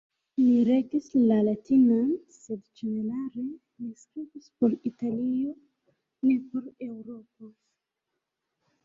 Li regis la latinan, sed ĝenerale li skribis por Italio, ne por Eŭropo.